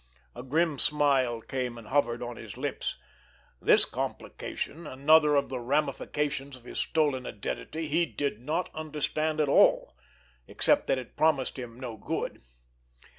A grim smile came and hovered on his lips. This complication, another of the ramifications of his stolen identity, he did not understand at all—except that it promised him no good.